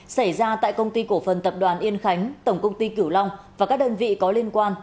xảy ra tại công ty cổ phần tập đoàn yên khánh tổng công ty cửu long và các đơn vị có liên quan